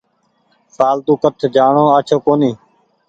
ڦآلتو ڪٺ جآڻو آڇو ڪونيٚ۔